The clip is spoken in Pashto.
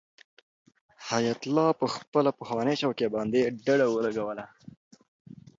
حیات الله په خپله پخوانۍ چوکۍ باندې ډډه ولګوله.